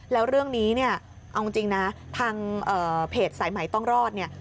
แล้วเรื่องนี้เนี่ยเอาจริงนะทางเพจสายใหม่ต้องรอดเนี่ย